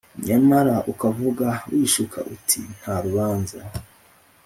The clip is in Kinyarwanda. Nyamara ukavuga wishuka uti Nta rubanza